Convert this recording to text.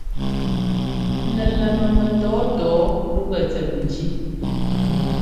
Nɛlɛmmɛ mɛtɔ̌ɔtɔ̌ɔ lúgɛ tsɛt njí.